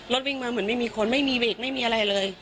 วิ่งมาเหมือนไม่มีคนไม่มีเบรกไม่มีอะไรเลย